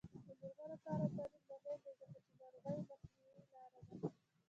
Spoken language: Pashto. د میرمنو کار او تعلیم مهم دی ځکه چې ناروغیو مخنیوي لاره ده.